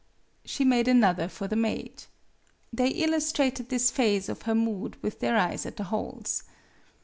She made another for the maid. They illus trated this phase of her mood with their eyes at the holes.